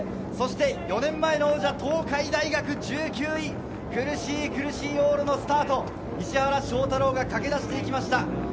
４年前の王者・東海大学は１９位、苦しい往路のスタート、石原翔太郎が駆け出してきました。